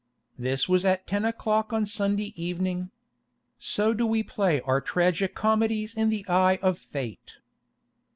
This was at ten o'clock on Sunday evening. So do we play our tragi comedies in the eye of fate.